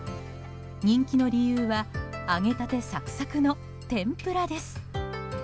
人気の理由は揚げたてサクサクの天ぷらです。